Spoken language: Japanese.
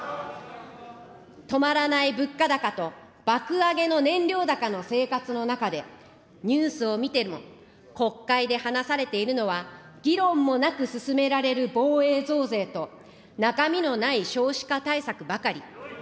止まらない物価高と、爆上げの燃料高の生活の中で、ニュースを見ても国会で話されているのは、議論もなく進められる防衛増税と、中身のない少子化対策ばかり。